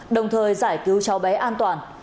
đồng thời giải cứu cháu bé an toàn